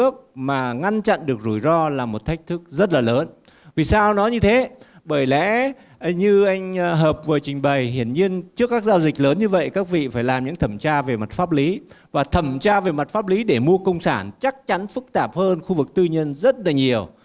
phần đầu tiên là việc thẩm tra về mặt pháp lý và thẩm tra về mặt pháp lý để mua công sản chắc chắn phức tạp hơn khu vực tư nhân rất nhiều